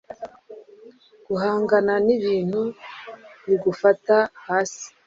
guhangana nibintu bigufata hasi